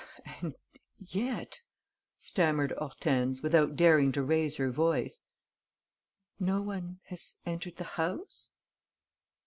"And yet," stammered Hortense, without daring to raise her voice, "no one has entered the house?"